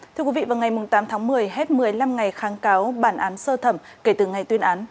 thưa quý vị vào ngày tám tháng một mươi hết một mươi năm ngày kháng cáo bản án sơ thẩm kể từ ngày tuyên án